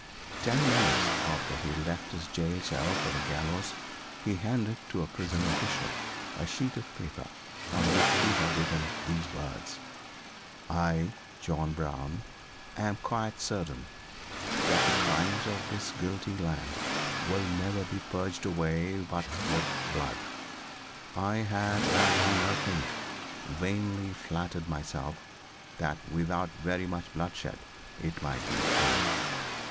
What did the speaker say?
Ten minutes before he left his jail cell for the gallows he handed to a prison official a sheet of paper on which he had written these words: "I, John Brown, am quite certain that the crimes of this guilty land will never be purged away but with blood, I had, as I now think, vainly flattered myself that without very much bloodshed it might be done."